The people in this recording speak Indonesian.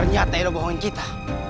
ternyata itu gohongin kita